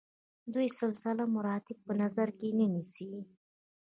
دوی سلسله مراتب په نظر کې نه نیسي.